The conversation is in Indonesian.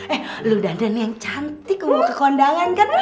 eh lo dandan yang cantik mau ke kondangan kan